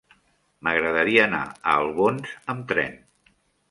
M'agradaria anar a Albons amb tren.